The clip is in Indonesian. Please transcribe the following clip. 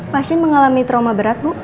pasien mengalami trauma berat bu